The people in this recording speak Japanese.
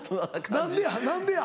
何でや？